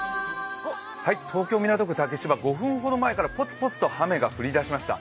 東京・港区竹芝、５分ほど前からぽつぽつと雨が降り出しました。